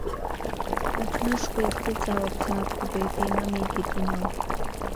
Аҷнышқәа еихӡыӡаауа ԥсаатәқәоуп, еиҭа инамеикит Инал.